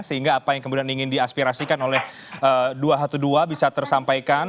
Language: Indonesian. sehingga apa yang kemudian ingin diaspirasikan oleh dua ratus dua belas bisa tersampaikan